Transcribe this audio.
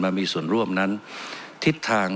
มามีส่วนร่วมนั้นทิศทาง